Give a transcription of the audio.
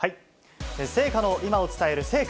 聖火の今を伝える聖火